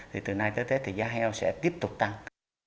thì từ nay tới tết thì giá heo sẽ tiếp tục tăng